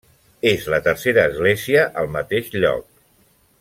És la tercera església al mateix lloc.